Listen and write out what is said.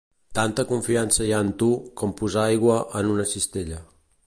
Tanta confiança hi ha en tu, com posar aigua en una cistella.